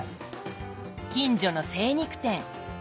近所の精肉店。